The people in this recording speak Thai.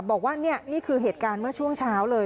บอกว่านี่คือเหตุการณ์เมื่อช่วงเช้าเลย